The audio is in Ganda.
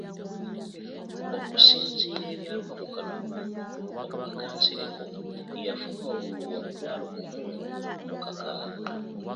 Okusinziira ku byava mu kalulu, Omubaka Nsereko yafuna obululu omutwalo gumu mu kakaaga